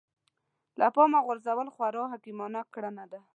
له پامه غورځول خورا حکيمانه کړنه ده.